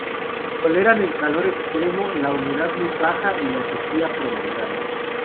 Toleran el calor extremo, la humedad muy baja, y la sequía prolongada.